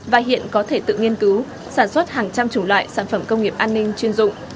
và hiện có thể tự nghiên cứu sản xuất hàng trăm chủng loại sản phẩm công nghiệp an ninh chuyên dụng